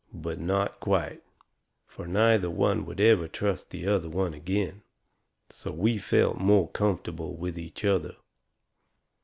But not quite. Fur neither one would ever trust the other one agin. So we felt more comfortable with each other.